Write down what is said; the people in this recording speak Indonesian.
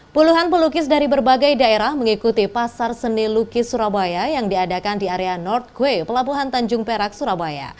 puluhan pelukis dari berbagai daerah mengikuti pasar seni lukis surabaya yang diadakan di area northquay pelabuhan tanjung perak surabaya